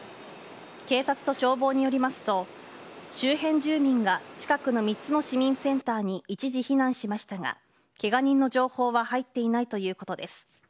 警察と消防によりますと周辺住民が近くの３つの市民センターに一時避難しましたがケガ人の情報は入っていないということです。